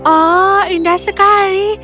oh indah sekali